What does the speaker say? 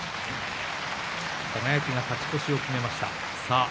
輝が勝ち越しを決めました。